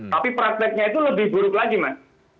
tapi prakteknya itu lebih buruk lagi mas